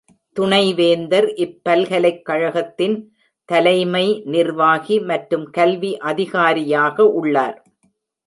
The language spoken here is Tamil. துணைவேந்தர் இப் பல்கலைக்கழகத்தின் தலைமை நிர்வாகி மற்றும் கல்வி அதிகாரியாக உள்ளார்.